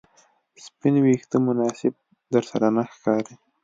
سپین ویښته مناسب درسره نه ښکاري